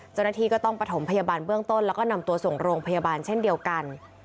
เจ้าหน้าที่ก็ต้องประถมพยาบาลเบื้องต้นแล้วก็นำตัวส่งโรงพยาบาลเช่นเดียวกัน